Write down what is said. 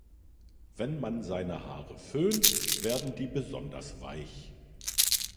Wenn man seine Haare föhnt, werden die besonders weich.